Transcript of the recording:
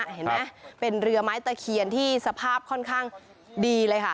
เห็นไหมเป็นเรือไม้ตะเคียนที่สภาพค่อนข้างดีเลยค่ะ